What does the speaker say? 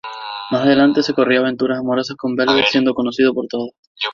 Más adelante, se correría aventuras amorosas con Velvet, siendo conocidos por todos.